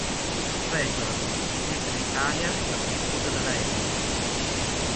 Records, mentre in Italia è stato diffuso dalla Epic.